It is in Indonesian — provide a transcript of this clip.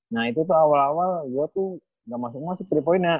nah itu tuh awal awal gue tuh gak masuk masuk tiga poinnya